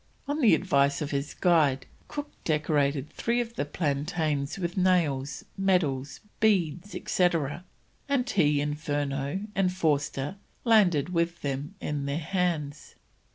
On the advice of his guide, Cook decorated three of the plantains with nails, medals, beads, etc., and he, Furneaux, and Forster, landed with them in their hands.